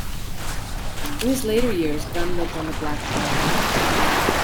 In his later years Gunn lived on the Black Isle.